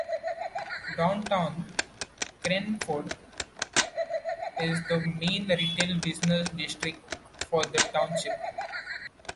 Downtown Cranford is the main retail business district for the township.